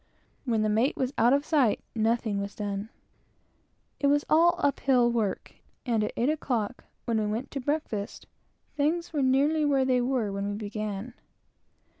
When the mate was out of sight, nothing was done. It was all uphill work; and at eight o'clock, when we went to breakfast, things were nearly where they were when we began.